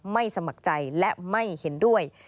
สมัครใจและไม่เห็นด้วย